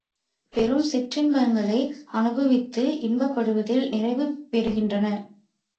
பெரும் சிற்றின்பங்களை அனுபவித்து இன்பப்படுவதில் நிறைவு பெறுகின்றது.